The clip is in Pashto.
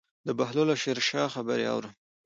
د بهلول او شیرشاه خبرې اورم.